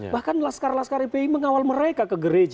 bahkan laskar laskar fpi mengawal mereka ke gereja